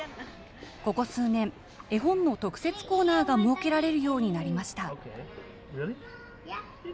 ここ数年、絵本の特設コーナーが設けられるようになりました。